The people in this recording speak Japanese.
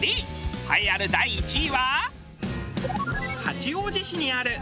栄えある第１位は。